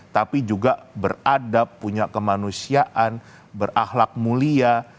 tapi juga beradab punya kemanusiaan berahlak mulia